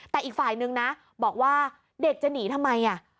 แต่อีกฝ่ายนึงนะบอกว่าเด็กจะหนีทำไม